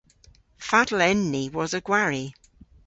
Fatel en ni wosa gwari?